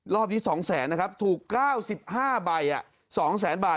รอบที่๒๐๐๐๐๐นะครับถูก๙๕ใบ๒๐๐๐๐๐บาท